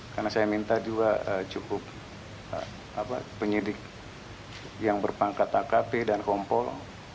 karena saya minta juga cukup penyidik yang berpangkat akp dan kompol